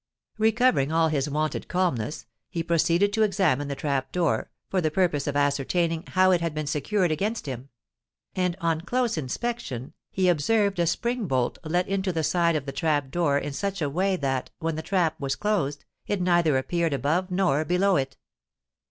Recovering all his wonted calmness, he proceeded to examine the trap door, for the purpose of ascertaining how it had been secured against him: and, on a close inspection, he observed a spring bolt let into the side of the trap door in such a way that, when the trap was closed, it neither appeared above nor below it.